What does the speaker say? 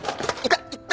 痛っ！